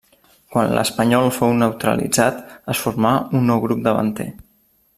Quan l'espanyol fou neutralitzat, es formà un nou grup davanter.